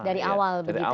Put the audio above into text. dari awal begitu ya